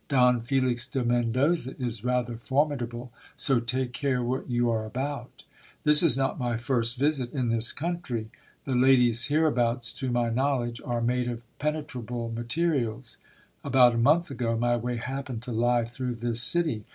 Don Felix de Mendoza is rather formidable, so take care what you are about. This is not my first visit in this country, the ladies hereabouts, to my knowledge, are made of penetrable materials. About a month ago my way happened to lie through this city.